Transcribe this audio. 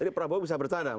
jadi prabowo bisa bercanda